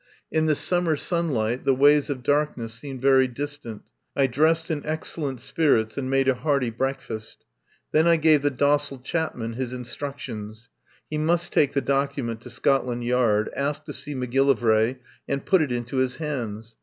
In the summer sunlight the ways of darkness seemed very distant. I dressed in excellent spirits and made a hearty breakfast. Then I gave the docile Chapman his in structions. He must take the document to Scotland Yard, ask to see Macgillivray, and put it into his hands.